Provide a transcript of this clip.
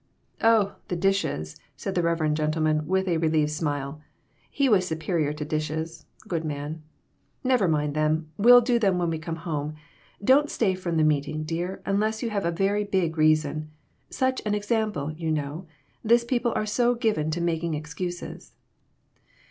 " Oh, the dishes !" said the reverend gentleman with a relieved smile. He was superior to dishes, good man. " Never mind them ; we'll do them when we come home. Don't stay from the meet ing, dear, unless you have a very big reason. Such an example, you know; this people are so given to making excuses."